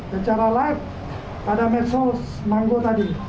secara live ada medsos manggo tadi